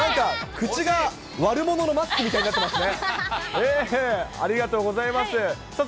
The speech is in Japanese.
口が悪者のマスクみたいになってますね。